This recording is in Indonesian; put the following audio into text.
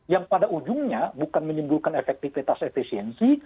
yang pada ujungnya bukan menimbulkan efektivitas efisiensi